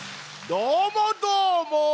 どーもどーも！